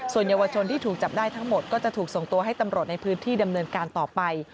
ส่วนเยาวชนที่ถูกจับได้ทั้งหมดก็จะถูกส่งตัวให้ตำรวจในพื้นที่ดำเนินการต่อไป